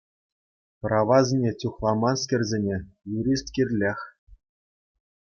Правасене чухламанскерсене юрист кирлех.